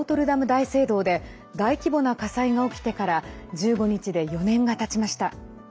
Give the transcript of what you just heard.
大聖堂で大規模な火災が起きてから１５日で４年がたちました。